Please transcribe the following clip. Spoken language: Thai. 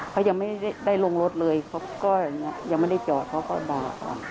เขายังไม่ได้ลงรถเลยเขาก็ยังไม่ได้จอดเขาก็ด่า